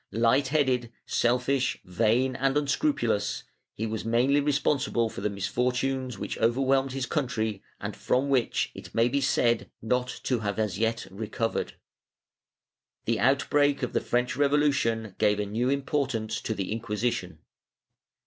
Light headed, selfish, vain and unscrupulous, he was mainly responsible for the misfortunes which overwhelmed his country and from which it may be said not to have as yet recovered. The outbreak of the French Revolution gave a new importance to the Inquisition.